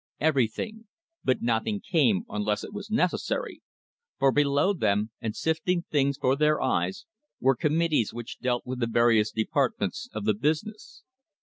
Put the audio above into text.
Everything; but nothing came unless it was necessary; for below them, and sifting things for their eyes, were committees which dealt with the various depart ments of the business.